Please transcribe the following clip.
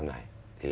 của doanh nghiệp